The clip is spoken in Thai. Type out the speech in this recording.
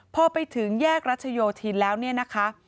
พอไปถึงแยกรัชโยธินแล้วเนี่ยนะคะ